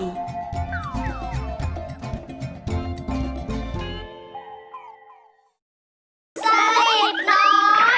สลิบน้อยสามสาม